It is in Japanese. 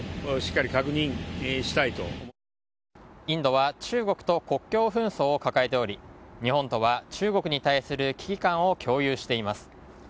インドは中国と国境紛争を抱えており日本とは中国に対する危機感を共有しています。